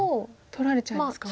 取られちゃいますか？